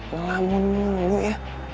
ngelamun dulu ya